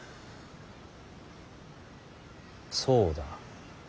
そうだ。